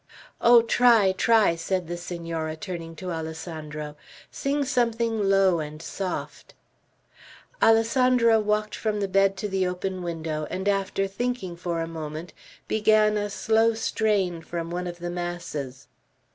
"Oh, try, try." said the Senorita, turning to Alessandro. "Sing something low and soft." Alessandro walked from the bed to the open window, and after thinking for a moment, began a slow strain from one of the masses.